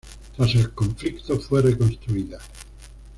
Tras el conflicto, fue reconstruida.